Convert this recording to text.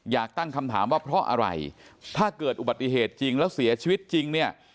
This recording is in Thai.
ตั้งคำถามว่าเพราะอะไรถ้าเกิดอุบัติเหตุจริงแล้วเสียชีวิตจริงเนี่ย